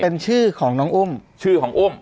เป็นชื่อของน้องอุ้มชื่อของอุ้ม